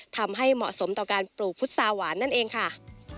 ทำให้เหมาะสมต่อการปลูกพุษาหวานนั่นเองค่ะ